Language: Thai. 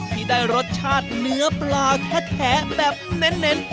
ที่ได้รสชาติเนื้อปลาแท้แบบเน้น